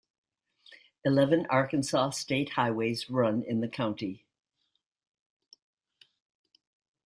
Eleven Arkansas state highways run in the county.